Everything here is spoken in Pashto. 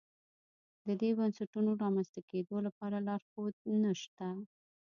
د دې بنسټونو رامنځته کېدو لپاره لارښود نه شته.